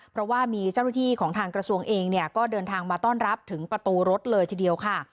เพราะว่ามีเจ้าหน้าที่ของทางกระทรวงเองเนี่ยก็เดินทางมาต้อนรับถึงประตูรถเลยทีเดียวค่ะ